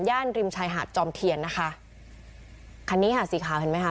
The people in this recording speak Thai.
ริมชายหาดจอมเทียนนะคะคันนี้ค่ะสีขาวเห็นไหมคะ